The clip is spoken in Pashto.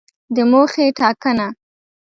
د موخې ټاکنه